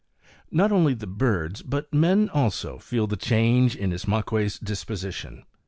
Not only the birds, but men also, feel the change in Ismaques' disposition.